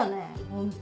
ホント。